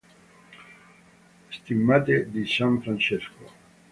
Stimmate di S. Francesco.